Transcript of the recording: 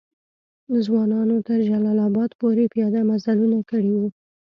ځوانانو تر جلال آباد پوري پیاده مزلونه کړي وو.